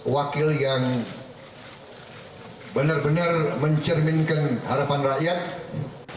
wakil yang benar benar mencerminkan harapan rakyat